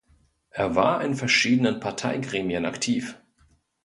Er war in verschiedenen Parteigremien aktiv.